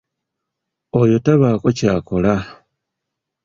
Oyo tabaako kyakola.